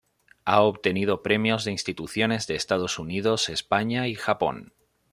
Ha obtenido premios de instituciones de Estados Unidos, España y Japón.